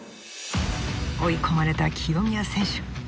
追い込まれた清宮選手。